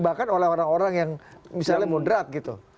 bahkan oleh orang orang yang misalnya moderat gitu